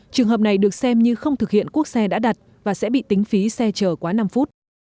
trường hợp này được xem như không thực hiện quốc xe đã đặt và sẽ bị tính phí xe chờ quá năm phút